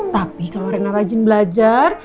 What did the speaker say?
tapi kalau rena rajin belajar